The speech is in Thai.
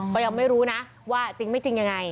ก็ยังไม่รู้นะว่าจริงไม่จริงยังไง